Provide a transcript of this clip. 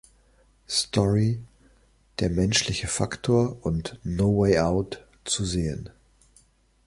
Story", "Der menschliche Faktor" und "No Way Out" zu sehen.